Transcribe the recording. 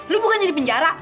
lu bukan jadi penjara